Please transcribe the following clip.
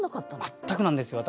全くなんですよ私。